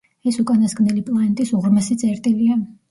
ეს უკანასკნელი პლანეტის უღრმესი წერტილია.